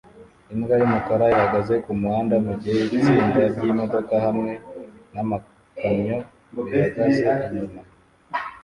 Imbwa yumukara ihagaze kumuhanda mugihe itsinda ryimodoka hamwe namakamyo bihagaze inyuma